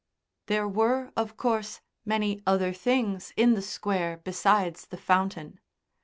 There were, of course, many other things in the Square besides the fountain.